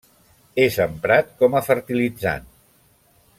És emprat com a fertilitzant.